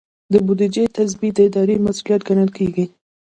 د بودیجې تثبیت د ادارې مسؤلیت ګڼل کیږي.